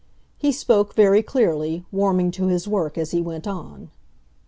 He spoke very clearly, warming to his work as he went on.